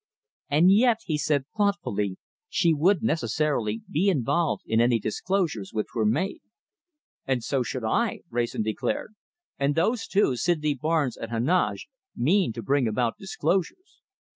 "And yet," he said thoughtfully, "she would necessarily be involved in any disclosures which were made." "And so should I," Wrayson declared. "And those two, Sydney Barnes and Heneage, mean to bring about disclosures.